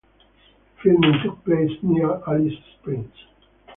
Filming took place near Alice Springs.